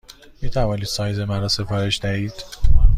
می توانید سایز مرا سفارش دهید؟